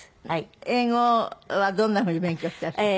英語はどんなふうに勉強してらっしゃるの？